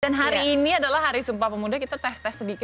dan hari ini adalah hari sumpah pemuda kita tes tes sedikit mungkin